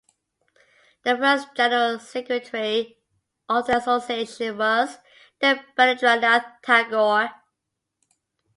The first general secretary of the association was Debendranath Tagore.